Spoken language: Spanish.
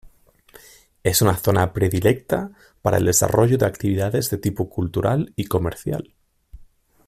Es una zona predilecta para el desarrollo de actividades de tipo cultural y comercial.